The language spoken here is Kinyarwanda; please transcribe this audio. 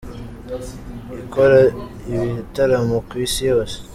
ikora ibitaramo ku isi yose.